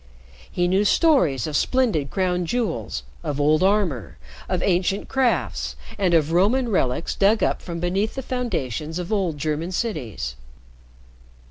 He knew stories of splendid crown jewels, of old armor, of ancient crafts, and of Roman relics dug up from beneath the foundations of old German cities.